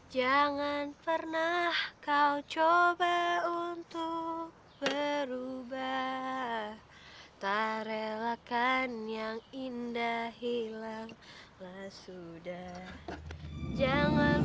jangan pernah kau coba untuk berubah tak relakan yang indah hilanglah sudah jangan